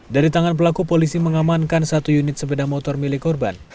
dari tangan pelaku polisi mengamankan satu unit sepeda motor milik korban